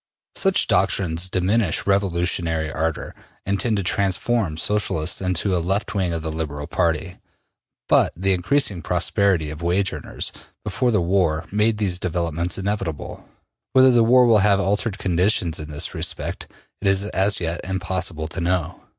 Such doctrines diminish revolutionary ardor and tend to transform Socialists into a left wing of the Liberal Party. But the increasing prosperity of wage earners before the war made these developments inevitable. Whether the war will have altered conditions in this respect, it is as yet impossible to know.